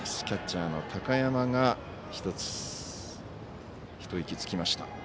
キャッチャーの高山が一息つきました。